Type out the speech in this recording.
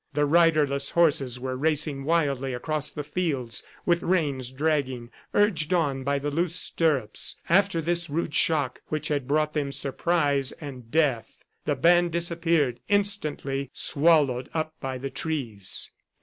The riderless horses were racing wildly across the fields with reins dragging, urged on by the loose stirrups. And after this rude shock which had brought them surprise and death, the band disappeared, instantly swallowed up by the trees.